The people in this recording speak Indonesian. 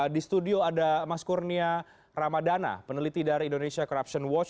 di studio ada mas kurnia ramadana peneliti dari indonesia corruption watch